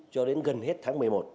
cho đến gần hết tháng một mươi một